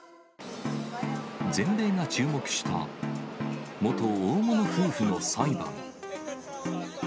全米が注目した元大物夫婦の裁判。